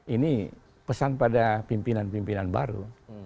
ini pesan pada pimpinan pimpinan baru